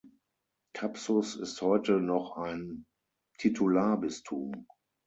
Thapsus ist heute noch ein Titularbistum.